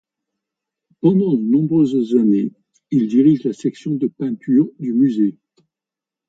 Pendant de nombreuses années, il dirige la section de peinture du musée.